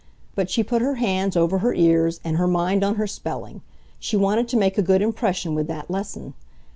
But she put her hands over her ears, and her mind on her spelling. She wanted to make a good impression with that lesson.